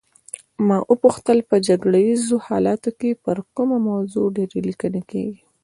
ما وپوښتل په جګړه ایزو حالاتو کې پر کومه موضوع ډېرې لیکنې کیږي.